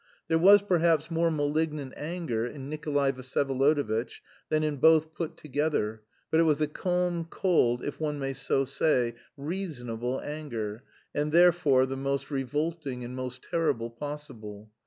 There was perhaps more malignant anger in Nikolay Vsyevolodovitch than in both put together, but it was a calm, cold, if one may so say, reasonable anger, and therefore the most revolting and most terrible possible.